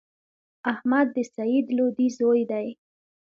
احمد د سعید لودی زوی دﺉ.